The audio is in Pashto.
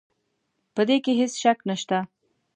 په دې کې هېڅ شک نه شته.